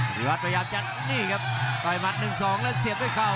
วิวัตรพยายามจะนี่ครับต่อยมัด๑๒แล้วเสียบด้วยเข่า